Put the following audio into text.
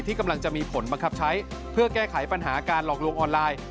กำลังจะมีผลบังคับใช้เพื่อแก้ไขปัญหาการหลอกลวงออนไลน์